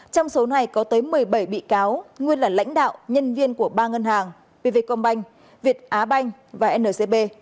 trong số này có tới một mươi bảy bị cáo nguyên là lãnh đạo nhân viên của ba ngân hàng bv công banh việt á banh và ncp